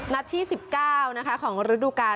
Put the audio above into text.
นัดที่๑๙ของฤดูกาล